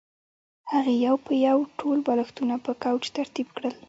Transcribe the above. هغې یو په یو ټول بالښتونه په کوچ ترتیب کړل